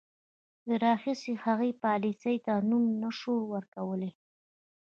د راهیسې هغې پالیسۍ ته نوم نه شو ورکولای.